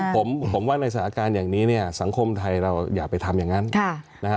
ผมว่าในสถานการณ์อย่างนี้เนี่ยสังคมไทยเราอย่าไปทำอย่างนั้นนะฮะ